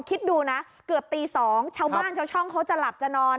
คิดดูนะเกือบตี๒ชาวบ้านชาวช่องเขาจะหลับจะนอน